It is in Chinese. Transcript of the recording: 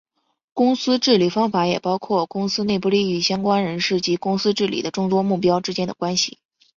公司治理方法也包括公司内部利益相关人士及公司治理的众多目标之间的关系。